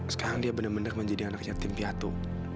sekarang dia benar benar menjadi anak yatim piatu